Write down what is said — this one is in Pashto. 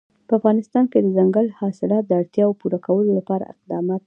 په افغانستان کې د دځنګل حاصلات د اړتیاوو پوره کولو لپاره اقدامات کېږي.